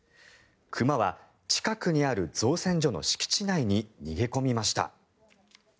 熊は近くにある造船所の敷地内に逃げ込みました。